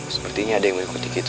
sepertinya ada yang mengikuti kita